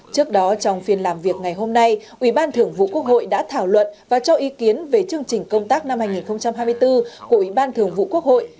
trước đó trong phiên làm việc ngày hôm nay ủy ban thưởng vụ quốc hội đã thảo luận và cho ý kiến về chương trình công tác năm hai nghìn hai mươi bốn của ủy ban thường vụ quốc hội